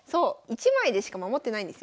１枚でしか守ってないんですよ。